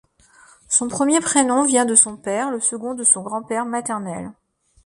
Son premier prénom vient de son père, le second de son grand-père maternel.